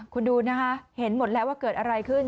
คุณดูนะคะเห็นหมดแล้วว่าเกิดอะไรขึ้น